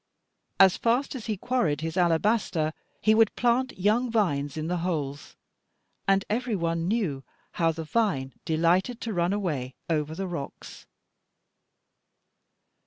As fast as he quarried his alabaster, he would plant young vines in the holes, and every one knew how the vine delighted to run away over the rocks.